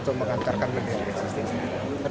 kita akan mengantarkan bendera ke istana